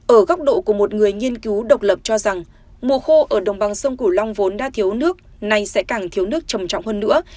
ở góc độ của một người nghiên cứu độc lập cho rằng mùa khô ở đồng bằng sông cửu long vốn đã thiếu nước nay sẽ càng thiếu nước trầm trọng hơn nữa